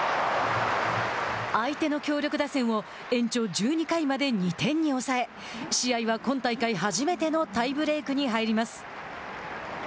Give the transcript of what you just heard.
相手の強力打線を延長１２回まで２点に抑え試合は今大会初めてのタイブレークに入ります。